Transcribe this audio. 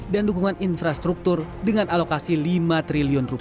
dan dukungan infrastruktur dengan alokasi rp lima triliun